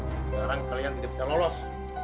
sekarang kalian tidak bisa lolos